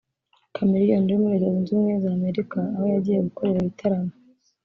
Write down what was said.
Chameleone uri muri Leta Zunze Ubumwe za Amerika aho yagiye gukorera ibitaramo